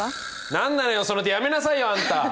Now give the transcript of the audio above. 何なのよその手やめなさいよあんた。